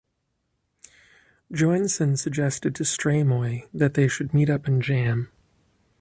Joensen suggested to Streymoy that they should meet up and jam.